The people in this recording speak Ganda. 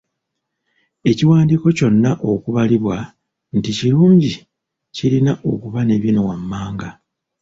Ekiwandiiko kyonna okubalibwa nti kirungi kirina okuba ne bino wammanga;